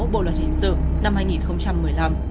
bộ luật hình sự năm hai nghìn một mươi năm